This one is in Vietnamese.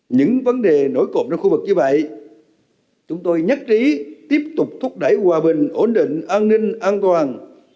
những vấn đề nổi cộng trong khu vực như vậy chúng tôi nhất trí tiếp tục thúc đẩy hòa bình ổn định an ninh an toàn